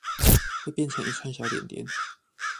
會變成一串小點點